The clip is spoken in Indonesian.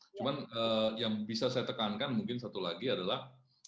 cuma yang bisa saya tekankan mungkin satu lagi adalah